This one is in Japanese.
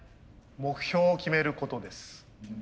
目標を決めることです。